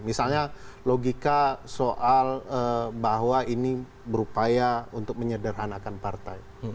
misalnya logika soal bahwa ini berupaya untuk menyederhanakan partai